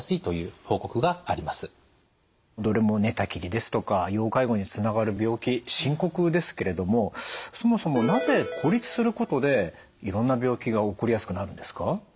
どれも寝たきりですとか要介護につながる病気深刻ですけれどもそもそもなぜ孤立することでいろんな病気が起こりやすくなるんですか？